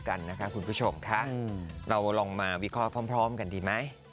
กันนะคะคุณผู้ชมค่ะเราลองมาวิเคราะห์พร้อมกันดีไหม